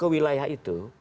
ke wilayah itu